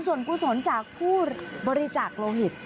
ส่วนกุศลจากผู้บริจาคโลหิต